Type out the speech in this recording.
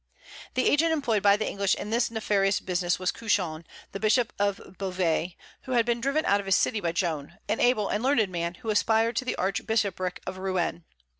The agent employed by the English in this nefarious business was Couchon, the Bishop of Beauvais, who had been driven out of his city by Joan, an able and learned man, who aspired to the archbishopric of Rouen.